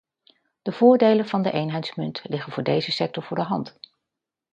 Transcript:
De voordelen van de eenheidsmunt liggen voor deze sector voor de hand.